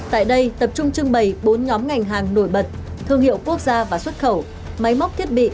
tại đây tập trung trưng bày bốn nhóm ngành hàng nổi bật thương hiệu quốc gia và xuất khẩu máy móc thiết bị